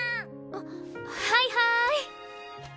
あっはいはい。